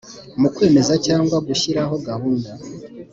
Mu kwemeza cyangwa mu gushyiraho gahunda